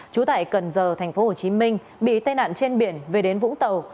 chú tải cần giờ tp hcm bị tai nạn trên biển về đến vũng tàu